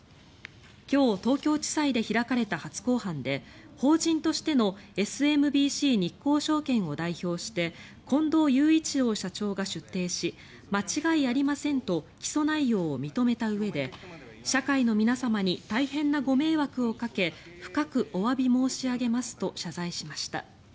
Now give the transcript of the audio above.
今日、東京地裁で開かれた初公判で法人としてのＳＭＢＣ日興証券を代表して近藤雄一郎社長が出廷し間違いありませんと起訴内容を認めたうえで社会の皆様に大変なご迷惑をかけ深くおわび申し上げますと謝罪しました。